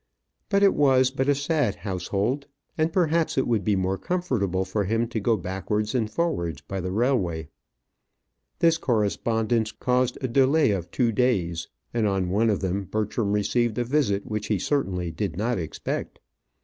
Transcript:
But it was but a sad household, and perhaps it would be more comfortable for him to go backwards and forwards by the railway. This correspondence caused a delay of two days, and on one of them Bertram received a visit which he certainly did not expect.